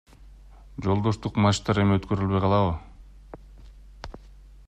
Жолдоштук матчтар эми өткөрүлбөй калабы?